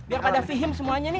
biar pada vihim semuanya nih